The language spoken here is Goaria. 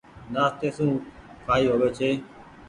نآستي سون ڪآئي هووي ڇي۔